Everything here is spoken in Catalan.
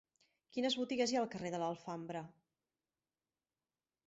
Quines botigues hi ha al carrer de l'Alfambra?